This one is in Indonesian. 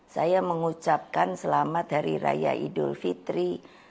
saya mengucapkan selamat hari raya idul fitri